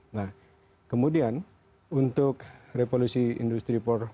nah kemudian untuk revolusi industri empat